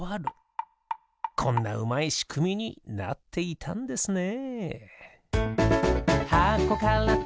こんなうまいしくみになっていたんですね。